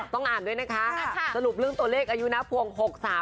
ต้องอ่านด้วยนะคะสรุปเรื่องตัวเลขอายุนะพวง๖๓